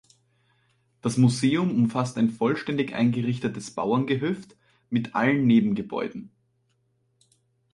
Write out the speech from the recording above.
Das Museum umfasst ein vollständig eingerichtetes Bauerngehöft mit allen Nebengebäuden.